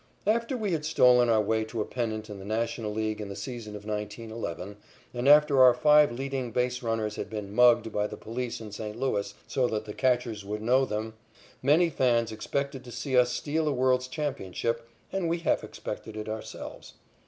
After we had stolen our way to a pennant in the National League in the season of 1911, and after our five leading base runners had been "mugged" by the police in St. Louis so that the catchers would know them, many fans expected to see us steal a world's championship, and we half expected it ourselves.